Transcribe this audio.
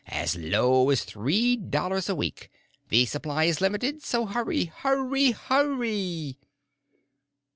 As low as three dollars a week. The supply is limited, so hurry, hurry, hurry!"